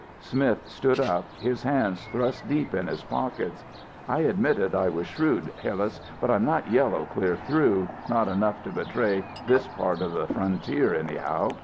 Smith stood up, his hands thrust deep in his pockets. "I admitted I was shrewd, Hillas, but I'm not yellow clear through, not enough to betray this part of the frontier anyhow.